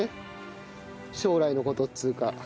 将来の事っつうか。